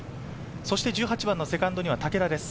そして１８番のセカンドには竹田です。